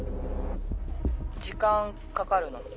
時間かかるの？